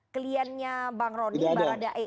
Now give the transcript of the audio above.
kliennya bang roni baradaya ini